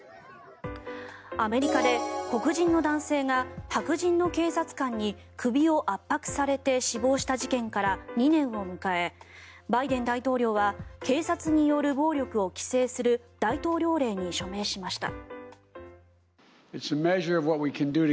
アメリカで黒人の男性が白人の警察官に首を圧迫されて殺害された事件から２年を迎えバイデン大統領は警察による暴力を規制する大統領令に署名しました。